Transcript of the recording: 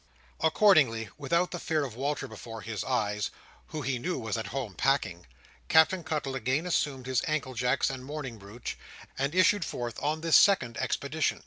Accordingly, without the fear of Walter before his eyes (who he knew was at home packing), Captain Cuttle again assumed his ankle jacks and mourning brooch, and issued forth on this second expedition.